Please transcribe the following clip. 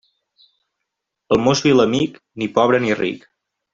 El mosso i l'amic, ni pobre ni ric.